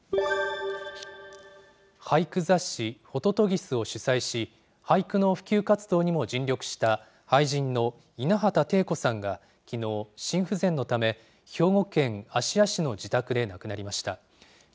俳句雑誌、ホトトギスを主宰し、俳句の普及活動にも尽力した俳人の稲畑汀子さんがきのう、心不全のため、兵庫県芦屋市の自宅で亡くなりました。